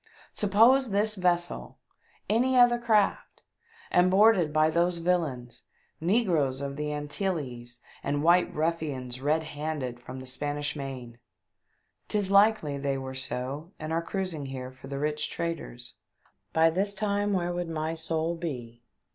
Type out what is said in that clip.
Sup pose this vessel any other craft and boarded by those villains, negroes of the Antilles, and white ruffians red handed from the Spanish Main — 'tis likely they were so and are cruising here for the rich traders — by this time where would my soul be